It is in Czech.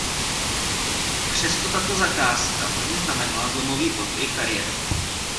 Přesto tato zakázka pro ně znamenala zlomový bod v jejich kariéře.